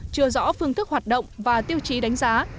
chưa rõ phương thức hoạt động và tiêu chí đánh giá